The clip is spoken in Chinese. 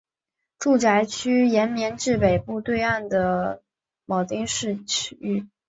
住宅区绵延至北部对岸的町田市域。